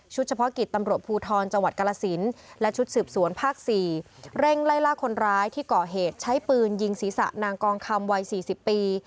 เฉพาะกิจตำรวจภูทรจังหวัดกรสินและชุดสืบสวนภาค๔เร่งไล่ล่าคนร้ายที่ก่อเหตุใช้ปืนยิงศีรษะนางกองคำวัย๔๐ปี